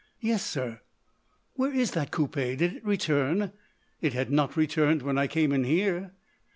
"Yes, sir." "Where is that coupé? Did it return?" "It had not returned when I came in here."